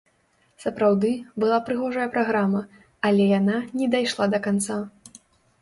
Сапраўды, была прыгожая праграма, але яна не дайшла да канца.